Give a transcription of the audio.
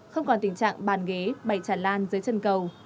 không còn tình trạng bàn ghế bầy tràn lan dưới chân cầu